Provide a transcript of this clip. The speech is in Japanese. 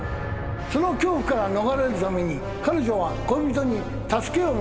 その恐怖から逃れるために彼女は恋人に助けを求めました。